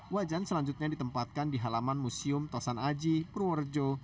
wajan selanjutnya ditempatkan di halaman museum tosan aji purworejo